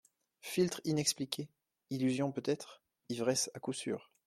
Philtre inexpliqué … illusion peut-être … ivresse, à coup sûr.